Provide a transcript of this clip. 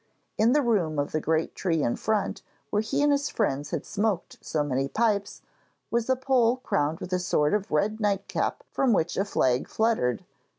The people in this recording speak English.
In the room of the great tree in front, where he and his friends had smoked so many pipes, was a pole crowned with a sort of red nightcap from which a flag fluttered.